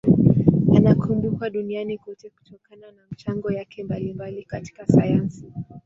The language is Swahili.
Anakumbukwa duniani kote kutokana na michango yake mbalimbali katika sayansi.